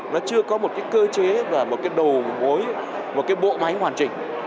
nó chưa có một cái cơ chế và một cái đầu mối một cái bộ máy hoàn chỉnh